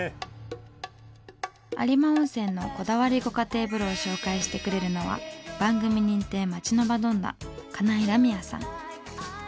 有馬温泉のこだわりご家庭風呂を紹介してくれるのは番組認定街のマドンナ金井良宮さん。